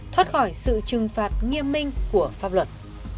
thoát khỏi sự trừng phạt nghiêm minh của pháp luật